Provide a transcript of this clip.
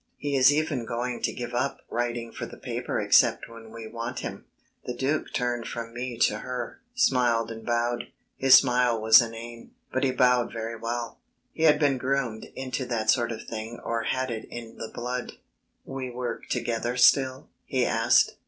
He is even going to give up writing for the papers except when we want him." The Duc turned from me to her, smiled and bowed. His smile was inane, but he bowed very well; he had been groomed into that sort of thing or had it in the blood. "We work together still?" he asked.